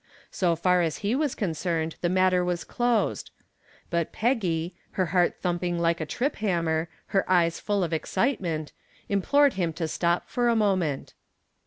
So far as he was concerned the matter was closed. But Peggy, her heart thumping like a trip hammer, her eyes full of excitement, implored him to stop for a moment.